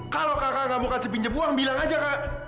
kalau kakak gak mau kasih pinjam uang bilang aja kak